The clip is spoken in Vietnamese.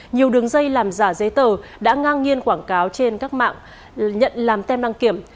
nhiều đường dây làm giả giấy tờ đã ngang nhiên quảng cáo trên các mạng nhận làm tem đăng kiểm